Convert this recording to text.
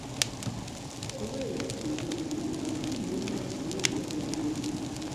Kubera ibyo bintu nakuriyemo sinigeze niga